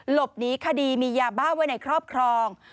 หลบหนีคดีมียาบ้าไว้ในครอบครอง